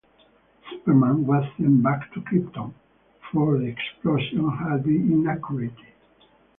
Superman was sent back to Krypton, for the explosion had been inaccurate.